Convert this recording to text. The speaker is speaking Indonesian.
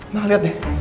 nah lihat deh